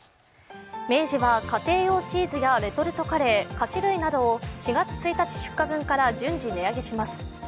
明治は家庭用チーズやレトルトカレー、菓子類などを４月１日出荷分から順次値上げします。